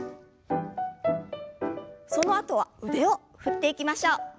そのあとは腕を振っていきましょう。